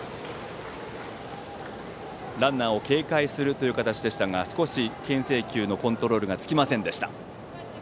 ランナーを警戒する形でしたが少しけん制球のコントロールがつきませんでした。